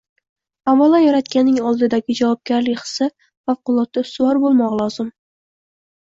avvalo Yaratganning oldidagi javobgarlik hissi favqulodda ustuvor bo‘lmog‘i lozim.